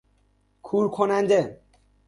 کورکننده